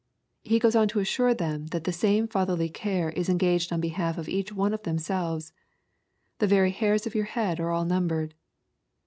He goes on to assure them that the same Fatherly care is engaged on behalf of each one of them selves :— "The very hairs of your head are all numbered.